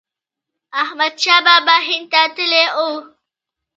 احمد شاه بابا هند ته تللی و.